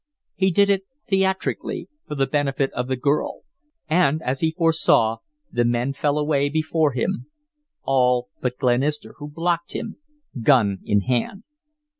He did it theatrically, for the benefit of the girl, and, as he foresaw, the men fell away before him all but Glenister, who blocked him, gun in hand.